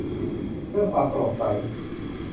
เรื่องความโปร่งใส